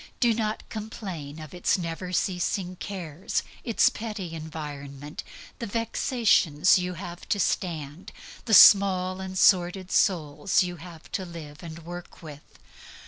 Do not complain of its never ceasing cares, its petty environment, the vexations you have to stand, the small and sordid souls you have to live and work with.